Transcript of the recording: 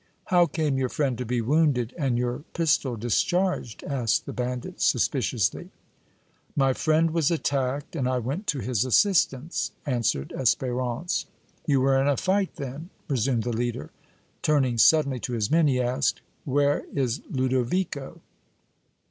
"How came your friend to be wounded and your pistol discharged?" asked the bandit, suspiciously. "My friend was attacked and I went to his assistance," answered Espérance. "You were in a fight, then," resumed the leader. Turning suddenly to his men, he asked: "Where is Ludovico?"